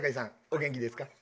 お元気ですか？